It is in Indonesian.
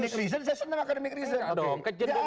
ya kalau memang akademik reason saya senang akademik reason